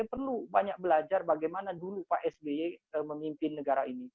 saya perlu banyak belajar bagaimana dulu pak sby memimpin negara ini